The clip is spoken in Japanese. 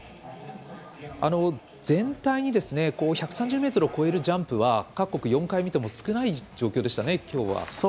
全体に１３０ｍを超えるジャンプは各国４回見ても少ない状況でしたね、きょうは。